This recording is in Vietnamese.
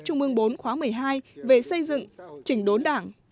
chung mương bốn khóa một mươi hai về xây dựng chỉnh đốn đảng